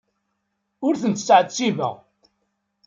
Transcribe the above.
Ur tent-ttɛettibeɣ.